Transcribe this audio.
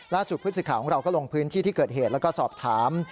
ผู้สื่อข่าวของเราก็ลงพื้นที่ที่เกิดเหตุแล้วก็สอบถาม